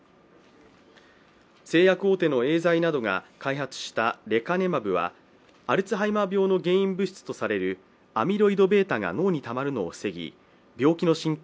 製薬大手のエーザイなどが開発したレカネマブはアルツハイマー病の原因物質とされるアミロイドβが脳にたまるのを防ぎ、病気の進行